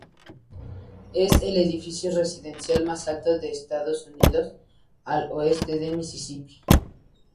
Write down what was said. Es el edificio residencial más alto de Estados Unidos al oeste del Mississippi.